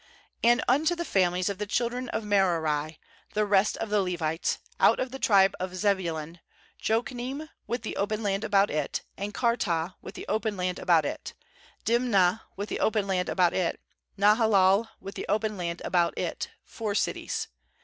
^And unto the families of the chil dren of Merari, the rest of the Levites, out of the tribe of Zebulun, Jokneam with the open land about it, and Kartah with the open land about it: 35Dimnah with the open land about it, Nahalal with the open land about it; four cities.